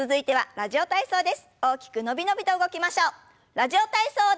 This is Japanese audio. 「ラジオ体操第２」。